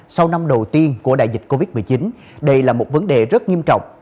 sau năm đầu tiên của đại dịch covid một mươi chín đây là một vấn đề rất nghiêm trọng